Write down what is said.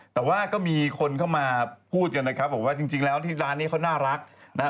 แต่ว่าก็มีคนเข้ามาพูดกันนะครับบอกว่าจริงแล้วที่ร้านนี้เขาน่ารักนะฮะ